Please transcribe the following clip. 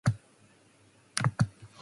All songs were composed by Kevin Griffin.